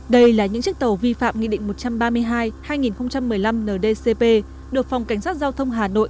đây là những chiếc tàu vi phạm nghị định một trăm ba mươi hai hai nghìn một mươi năm ndcp được phòng cảnh sát giao thông hà nội